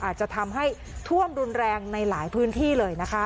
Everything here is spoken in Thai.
อาจจะทำให้ท่วมรุนแรงในหลายพื้นที่เลยนะคะ